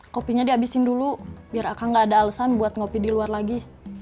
kopinya dihabisin dulu biar akan gak ada alasan buat ngopi di luar lagi